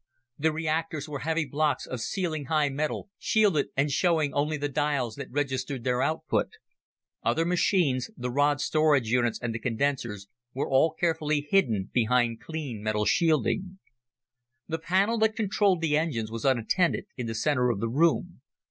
The reactors were heavy blocks of ceiling high metal, shielded, and showing only the dials that registered their output. Other machines the rod storage units and the condensers were all carefully hidden behind clean metal shielding. The panel that controlled the engines was unattended in the center of the room.